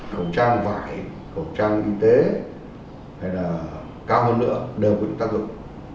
khẩu trang vải khẩu trang y tế hay là cao hơn nữa đều có những tác dụng